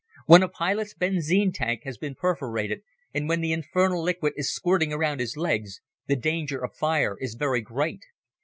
When a pilot's benzine tank has been perforated, and when the infernal liquid is squirting around his legs, the danger of fire is very great.